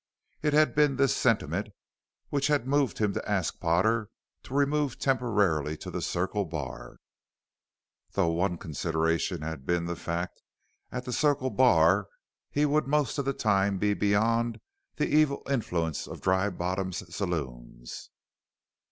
It had been this sentiment which had moved him to ask Potter to remove temporarily to the Circle Bar, though one consideration had been the fact at the Circle Bar he would most of the time be beyond the evil influence of Dry Bottom's saloons.